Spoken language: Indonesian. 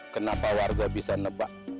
kenapa warga bisa nebak